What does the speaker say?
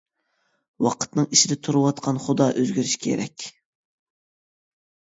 ۋاقىتنىڭ ئىچىدە تۇرۇۋاتقان خۇدا ئۆزگىرىشى كېرەك.